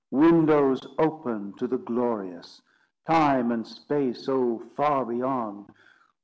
Windows open to the glorious! Time and space, oh, far beyond!